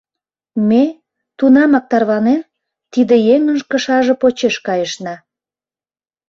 Ме, тунамак тарванен, тиде еҥын кышаже почеш кайышна.